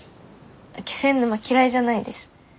気仙沼嫌いじゃないです。